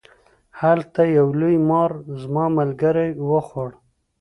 هلته یو لوی مار زما ملګری و خوړ.